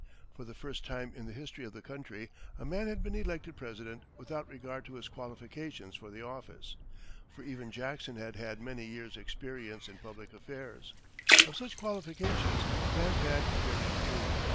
For the first time in the history of the country, a man had been elected President without regard to his qualifications for the office, for even Jackson had had many years' experience in public affairs. Of such qualifications, Grant had very few.